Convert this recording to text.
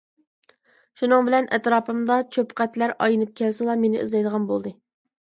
شۇنىڭ بىلەن ئەتراپىمدا چۆپقەتلەر ئاينىپ كەلسىلا مېنى ئىزدەيدىغان بولدى.